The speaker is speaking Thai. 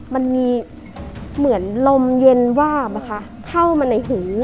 มันมีเหมือนลมเย็นว่าบร้ะคะเท่ามาในหู